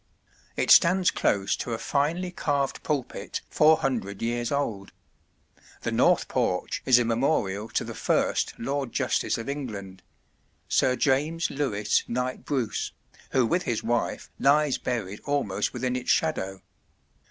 It stands close to a finely carved pulpit four hundred years old. The north porch is a memorial to the first Lord Justice of England Sir James Lewis Knight Bruce, who with his wife lies buried almost within its shadow.